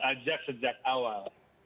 ajak sejak awal